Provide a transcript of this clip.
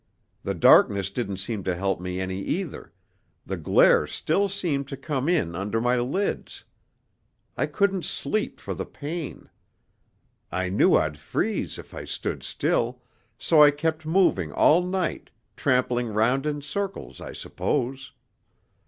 The darkness didn't seem to help me any either; the glare still seemed to come in under my lids. I couldn't sleep for the pain. I knew I'd freeze if I stood still, so I kept moving all night, trampling round in circles, I suppose.